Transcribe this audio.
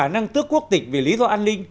năng tước quốc tịch vì lý do an ninh